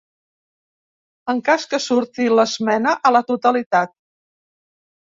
En cas que surti l’esmena a la totalitat.